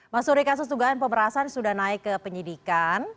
mas suri kasus dugaan pemberatasan sudah naik ke penyidikan